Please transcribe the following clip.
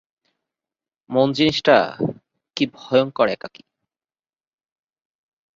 মন জিনিসটা কী ভয়ংকর একাকী!